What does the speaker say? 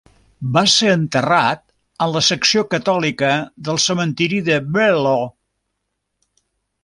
Va ser enterrat en la secció catòlica del cementiri de Bellu.